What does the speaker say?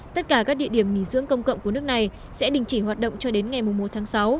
tất cả các địa điểm nghỉ dưỡng công cộng của nước này sẽ đình chỉ hoạt động cho đến ngày một tháng sáu